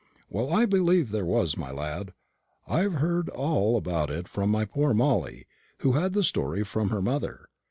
"Well, I believe there was, my lad. I've heard all about it from my poor Molly, who had the story from her mother.